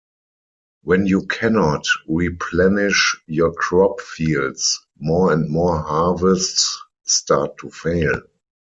When you cannot replenish your crop fields, more and more harvests start to fail.